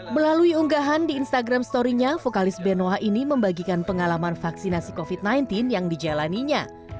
melalui unggahan di instagram story nya vokalis benoa ini membagikan pengalaman vaksinasi covid sembilan belas yang dijalaninya